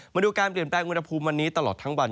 มาดูการเปลี่ยนแปลงอุณหภูมิวันนี้ตลอดทั้งวัน